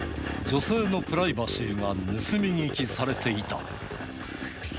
女性のプライバシーが盗み聞きされていた。